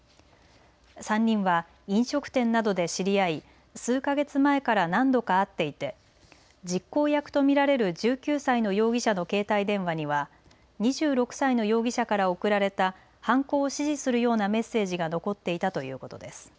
３人は飲食店などで知り合い数か月前から何度か会っていて実行役と見られる１９歳の容疑者の携帯電話には２６歳の容疑者から送られた犯行を指示するようなメッセージが残っていたということです。